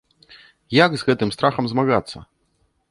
Як з гэтым страхам змагацца?